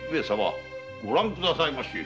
ご覧くださいまし。